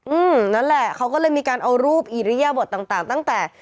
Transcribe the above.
อืมนั่นแหละเขาก็เลยมีการเอารูปอิริยบทต่างต่างตั้งแต่